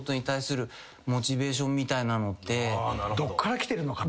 どっからきてるのかと。